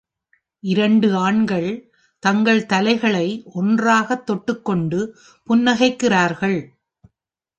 இரண்டு ஆண்கள் தங்கள் தலைகளை ஒன்றாகத் தொட்டுக் கொண்டு புன்னகைக்கிறார்கள்.